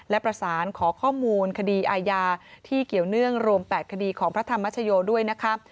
และประสานขอข้อมูลคดีอาญาที่เกี่ยวเนื่องรวม๘คดีของพระธรรมชโยด้วยนะคะ